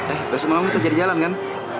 eh besok malam kita jalan jalan kan